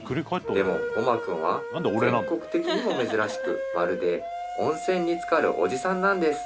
でもゴマくんは全国的にも珍しくまるで温泉につかるおじさんなんです